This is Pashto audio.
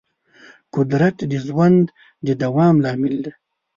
قدرت د ژوند د دوام لامل دی.